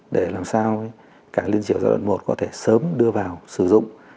để làm sao cảng liên triều giai đoạn một có thể sớm đưa vào sử dụng